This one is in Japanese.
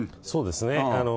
そうですね。